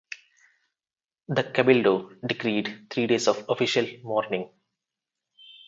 The cabildo decreed three days of official mourning.